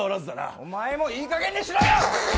お前もいい加減にしろよ！